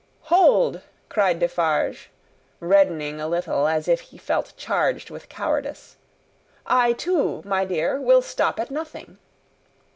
"Hold!" cried Defarge, reddening a little as if he felt charged with cowardice; "I too, my dear, will stop at nothing."